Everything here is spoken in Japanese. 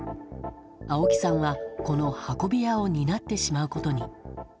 青木さんはこの運び屋を担ってしまうことに。